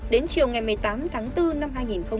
đến chiều ngày một mươi tám tháng bốn năm hai nghìn một mươi bảy